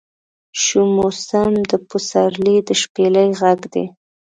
شو موسم د پسرلي د شپیلۍ غږدی